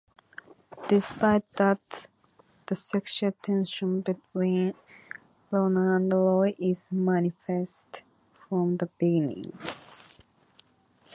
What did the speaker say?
Despite that, the sexual tension between Lona and Roy is manifest from the beginning.